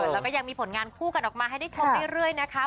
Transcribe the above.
แล้วก็ยังมีผลงานคู่กันออกมาให้ได้ชมเรื่อยนะคะ